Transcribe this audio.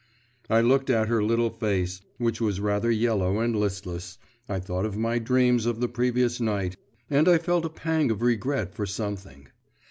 I looked at her little face, which was rather yellow and listless, I thought of my dreams of the previous night, and I felt a pang of regret for something.